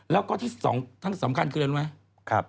แล้วก็ที่สำคัญคืออะไรรู้ไหม